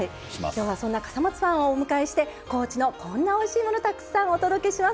今日はそんな笠松さんをお迎えして高知のこんなおいしいものたくさんお届けします。